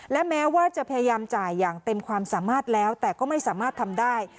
และแม้ว่าจะพยายามจ่ายอย่างเต็มความสามารถแล้วแต่ก็ไม่สามารถทำได้